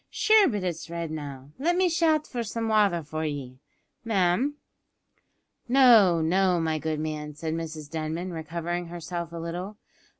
Shure but it's red now. Let me shout for some wather for ye, ma'am." "No, no, my good man," said Mrs Denman, recovering herself a little.